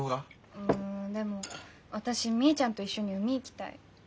うんでも私みーちゃんと一緒に海行きたい。